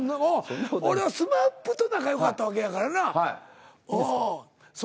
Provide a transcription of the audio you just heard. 俺はＳＭＡＰと仲よかったわけやからな。